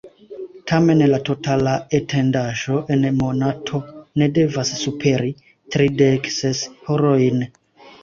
Tamen la totala etendaĵo en monato ne devas superi tridek ses horojn.